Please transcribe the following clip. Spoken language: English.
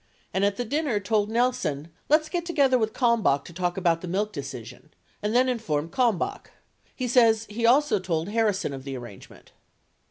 660 and at the dinner told Nelson "let's get together with Kalmbach to talk about the milk decision" and then informed Kalmbach. He says he also told Harrison of the arrangement.